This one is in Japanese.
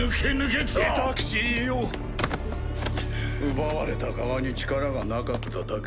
奪われた側に力がなかっただけだ。